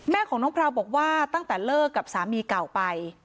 แม่ของน้องพราวบอกว่าตั้งแต่เลิกกับสามีเก่าไป